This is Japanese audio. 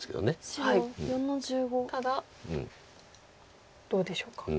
ただどうでしょうか。